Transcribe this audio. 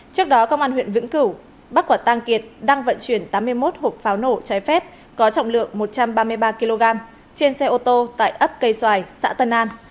trước đó công an huyện vĩnh cửu bắc quả tăng kiệt đang vận chuyển tám mươi một hộp pháo nổ trái phép có trọng lượng một trăm ba mươi ba kg trên xe ô tô tại ấp cây xoài xã tân an